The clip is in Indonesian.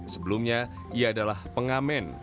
sebelumnya ia adalah pengamen